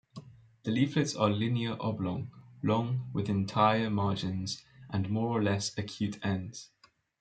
The leaflets are linear-oblong, long, with entire margins and more or less acute ends.